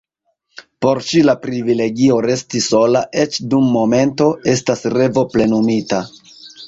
Por ŝi, la privilegio resti sola, eĉ dum momento, estas revo plenumita.